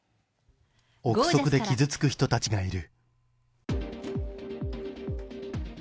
臆測で傷つく人たちがいる。